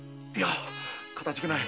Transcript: かたじけない。